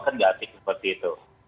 kan tidak asik seperti itu